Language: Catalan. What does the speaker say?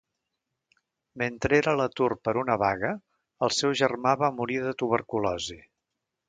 Mentre era a l'atur per una vaga, el seu germà va morir de tuberculosi.